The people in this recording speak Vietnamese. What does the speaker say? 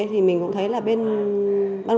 thì mình cũng thấy là bên